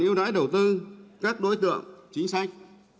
yêu đáy đầu tư các đối tượng chính sách